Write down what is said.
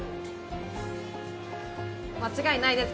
間違いないです！